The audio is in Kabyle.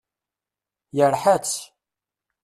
Yerḥa-tt.